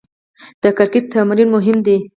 د کرکټ تمرین مهم دئ.